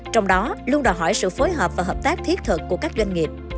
trong đó luôn đòi hỏi sự phối hợp và hợp tác thiết thực của các doanh nghiệp